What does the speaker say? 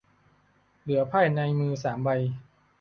เหลือไพ่ในมือสามใบ